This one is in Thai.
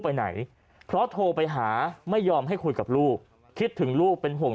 ไปไหนเพราะโทรไปหาไม่ยอมให้คุยกับลูกคิดถึงลูกเป็นห่วง